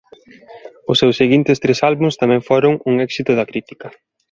Os seus seguintes tres álbum tamén foron un éxito de crítica.